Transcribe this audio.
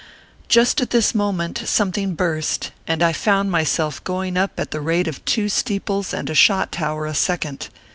Just at this moment, something burst, and I found myself going up at the rate of two steeples and a shot tower a second.